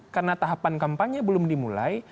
karena tahapan kampanye belum dimulai